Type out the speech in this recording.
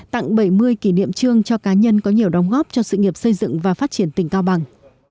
tặng bảy mươi kỷ niệm trương cho cá nhân có nhiều đóng góp cho sự nghiệp xây dựng và phát triển tỉnh cao bằng